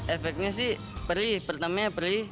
efeknya sih perih pertamanya perih